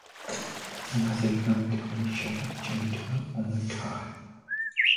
Nothing harmed Ayesha or changed her or moved her.